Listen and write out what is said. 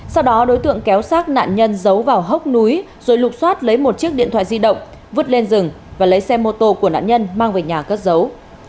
sau đó đối tượng kéo sát nạn nhân giấu vào hốc núi rồi lục xoát lấy một chiếc điện thoại di động vứt lên rừng và lấy xe mô tô của nạn nhân mang về nhà cất giấu